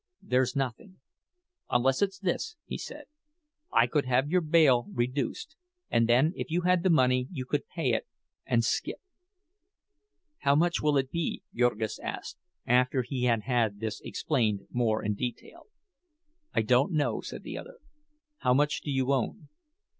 "There's nothing—unless it's this," he said. "I could have your bail reduced; and then if you had the money you could pay it and skip." "How much will it be?" Jurgis asked, after he had had this explained more in detail. "I don't know," said the other. "How much do you own?"